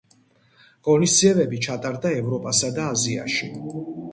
ღონისძიებები ჩატარდა ევროპასა და აზიაში.